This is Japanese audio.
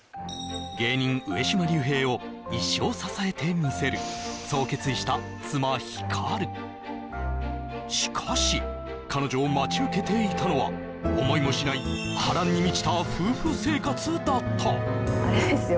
芸人・上島竜兵を一生支えてみせるそう決意した妻・光しかし彼女を待ち受けていたのは思いもしないだったあれですよ